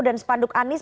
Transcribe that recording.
dan spanduk anies